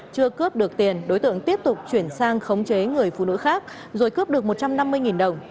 chưa cướp được tiền đối tượng tiếp tục chuyển sang khống chế người phụ nữ khác rồi cướp được một trăm năm mươi đồng